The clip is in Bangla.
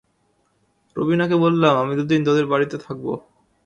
রুবিনাকে বললাম, আমি দুদিন তোদের বাড়িতে থাকব।